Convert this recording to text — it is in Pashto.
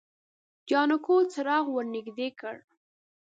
جانکو څراغ ور نږدې کړ.